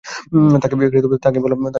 তাকে বল আমাকে থামাতে।